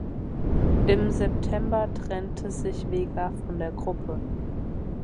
Im September trennte sich Vega von der Gruppe.